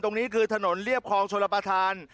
ตรงนี้คือถนนเรียบคลองชลประธาน